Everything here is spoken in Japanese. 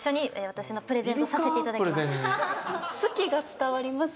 私のプレゼンとさせていただきます。